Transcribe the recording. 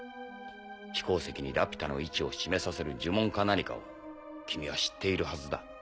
飛行石にラピュタの位置を示させる呪文か何かを君は知っているはずだ。